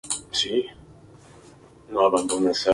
Un punto más para estropear la relación con Carlos Berlanga.